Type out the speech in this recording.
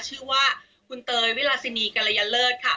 ชื่อว่าคุณเตยวิราชินีกรยาเลิศค่ะ